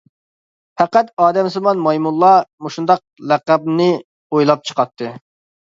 پەقەت ئادەمسىمان مايمۇنلا مۇشۇنداق لەقەمنى ئويلاپ چىقاتتى.